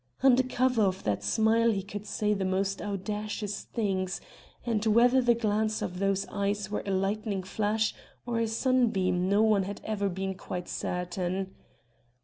Under cover of that smile he could say the most audacious things, and whether the glance of those eyes were a lightning flash or a sunbeam no one had ever been quite certain.